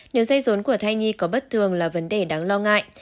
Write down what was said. nếu dây rốn của thai nhi có bất thường là vấn đề đáng lo ngại